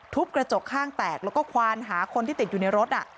กระจกข้างแตกแล้วก็ควานหาคนที่ติดอยู่ในรถ